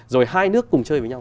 rồi hai nước cùng chơi với nhau